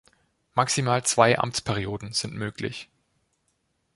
Maximal zwei Amtsperioden sind möglich.